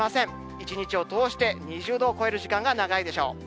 一日を通して２０度を超える時間が長いでしょう。